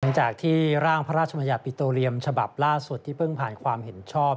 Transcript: หลังจากที่ร่างพระราชมัญญัติปิโตเรียมฉบับล่าสุดที่เพิ่งผ่านความเห็นชอบ